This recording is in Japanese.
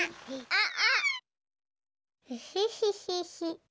あっ！